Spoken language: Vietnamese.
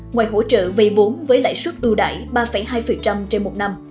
ngoài hỗ trợ vây vốn với lãi suất ưu đại ba hai trên một năm